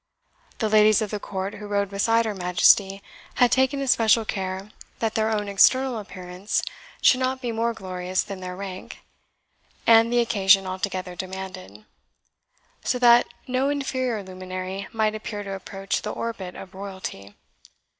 The ladies of the court, who rode beside her Majesty, had taken especial care that their own external appearance should not be more glorious than their rank and the occasion altogether demanded, so that no inferior luminary might appear to approach the orbit of royalty.